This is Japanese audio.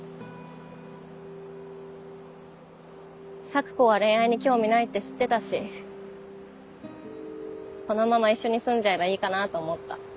咲子は恋愛に興味ないって知ってたしこのまま一緒に住んじゃえばいいかなと思った。